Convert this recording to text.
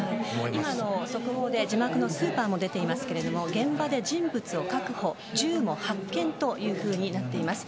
今、速報で字幕のスーパーも出ていますが現場で人物を確保銃も発見となっております。